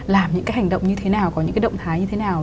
làm những cái hành động như thế nào có những cái động thái như thế nào